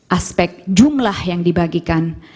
aspek jumlah yang dibagikan